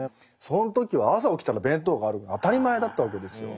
その時は朝起きたら弁当があるのは当たり前だったわけですよ。